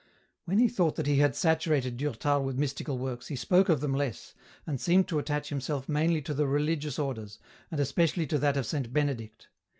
When he thought that he had saturated Durtal with mystical works, he spoke of them less, and seemed to attach himself mainly to the religious Orders, and especially to that of Saint Benedict.